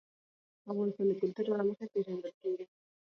افغانستان د کلتور له مخې پېژندل کېږي.